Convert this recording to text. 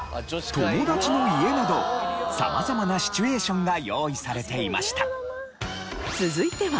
友達の家など様々なシチュエーションが用意されていました。